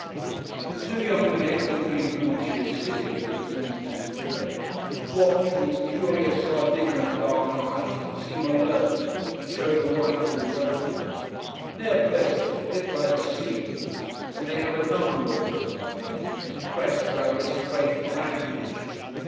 The two young men, between whom she is sitting as between two pillows, watch with the curious Sardinian dark eyes that seem alert and show the white all round. They are pleasant a bit like seals. And they have a numb look for the moment, impressed by this strange language.